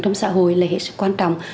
trong xã hội là hết sức quan trọng